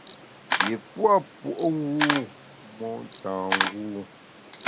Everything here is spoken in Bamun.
Yi pua’ puo’wu’ motângû.